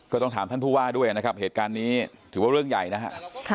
ก็ต้องถามท่านผู้ว่าด้วยนะครับเหตุการณ์นี้ถือว่าเรื่องใหญ่นะฮะ